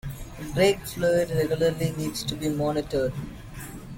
Brake fluid regularly needs to be monitored.